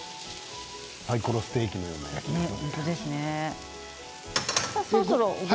サイコロステーキのような焼き方。